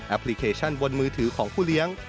พลิเคชันบนมือถือของผู้เลี้ยง